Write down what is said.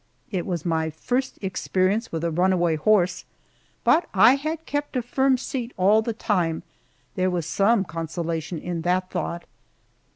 It was my first experience with a runaway horse, but I had kept a firm seat all the time there was some consolation in that thought.